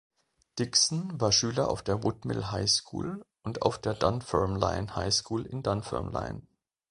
Dickson war Schüler auf der Woodmill High School und auf der Dunfermline High School in Dunfermline.